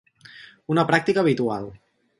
Una pràctica habitual.